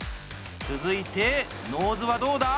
続いてノーズは、どうだ？